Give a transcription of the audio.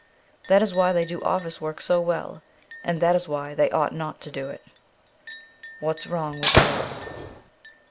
That is why they do office work so well ; and that is why they ought not to do it. * What 'i Wrong with the World.'